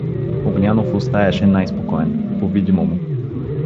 Огнянов остаяше най-спокоен, повидимому.